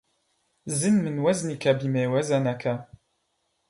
زن من وزنك بما وزنك